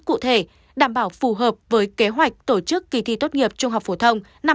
cụ thể đảm bảo phù hợp với kế hoạch tổ chức kỳ thi tốt nghiệp trung học phổ thông năm hai nghìn hai mươi năm